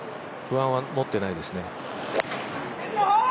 不安は持ってないですね。